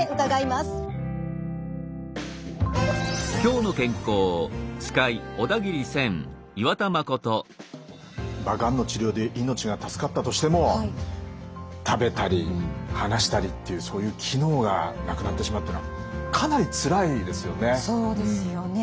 まあがんの治療で命が助かったとしても食べたり話したりっていうそういう機能がなくなってしまうっていうのはかなりつらいですよね。